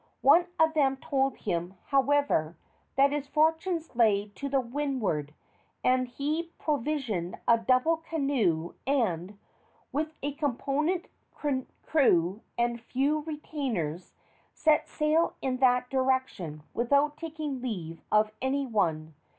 One of them told him, however, that his fortunes lay to the windward, and he provisioned a double canoe, and, with a competent crew and a few retainers, set sail in that direction without taking leave of any one.